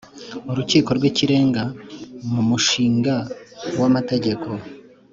urukiko rw Ikirenga m umushinga w amategeko